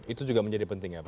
itu juga menjadi penting ya pak